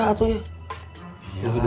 nggak ada apa apa